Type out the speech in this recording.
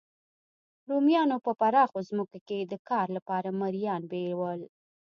رومیانو په پراخو ځمکو کې د کار لپاره مریان بیول